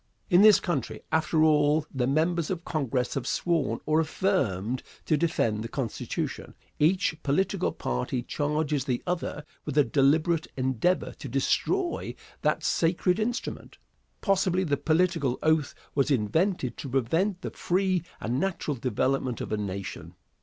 In this country, after all the members of Congress have sworn or affirmed to defend the Constitution, each political party charges the other with a deliberate endeavor to destroy that "sacred instrument." Possibly the political oath was invented to prevent the free and natural development of a nation.